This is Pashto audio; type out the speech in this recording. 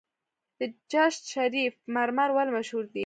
د چشت شریف مرمر ولې مشهور دي؟